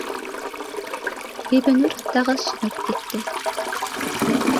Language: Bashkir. Бибинур тағы сумып китте